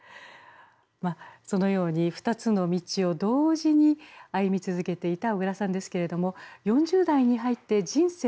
まあそのように２つの道を同時に歩み続けていた小椋さんですけれども４０代に入って人生の転機が訪れます。